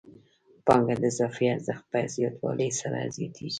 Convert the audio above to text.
پانګه د اضافي ارزښت په زیاتوالي سره زیاتېږي